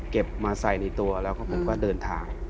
เก็บมาใส่ในตัวแล้วผมก็เดินทาง